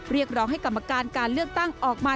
เรียกร้องให้กรรมการการเลือกตั้งออกมา